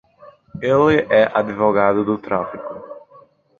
Ele é advogado do tráfico.